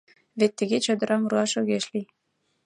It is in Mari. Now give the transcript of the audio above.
Вет тыге чодырам руаш огеш лий.